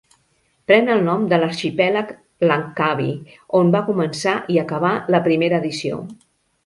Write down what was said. Pren el nom de l'arxipèlag Langkawi, on va començar i acabar la primera edició.